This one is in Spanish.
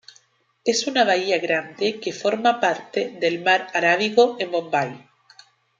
Es una bahía grande que forma parte del Mar Arábigo en Bombay.